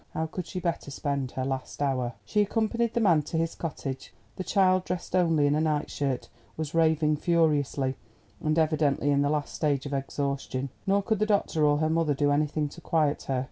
How could she better spend her last hour? She accompanied the man to his cottage. The child, dressed only in a night shirt, was raving furiously, and evidently in the last stage of exhaustion, nor could the doctor or her mother do anything to quiet her.